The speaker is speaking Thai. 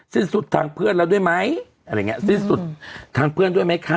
สิ้นสุดทางเพื่อนแล้วด้วยไหมอะไรอย่างเงี้สิ้นสุดทางเพื่อนด้วยไหมคะ